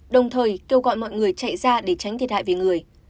đồng thời kêu gọi mọi người chạy ra để tránh thiệt hại về người